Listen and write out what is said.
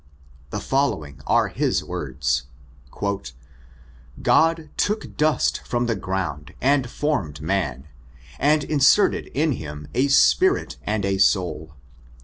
The following are his words: "God took dust from the ground and formed man, and inserted in him a spirit and a soul.